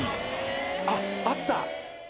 あっ、あった。